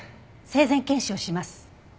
生前検視をします。